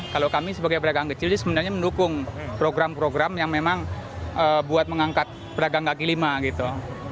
kalau kami sebagai pedagang kecil sih sebenarnya mendukung program program yang memang buat mengangkat pedagang kaki lima gitu